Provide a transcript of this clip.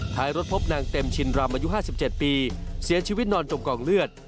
ท้ายรถพบนางเต็มชินรำอายุ๕๗ปีเสียชีวิตนอนจมกองเลือด